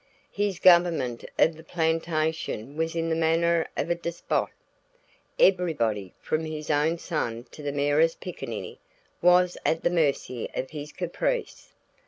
His government of the plantation was in the manner of a despot. Everybody from his own son to the merest pickaninny was at the mercy of his caprice.